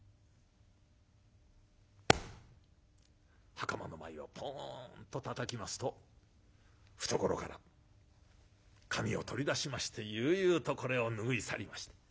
はかまの前をポンとたたきますと懐から紙を取り出しまして悠々とこれを拭い去りました。